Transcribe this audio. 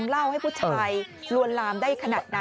เล่าให้ผู้ชายลวนลามได้ขนาดนั้น